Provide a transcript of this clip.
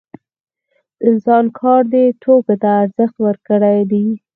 د انسان کار دې توکو ته ارزښت ورکړی دی